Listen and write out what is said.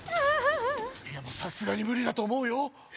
いやもうさすがに無理だと思うよ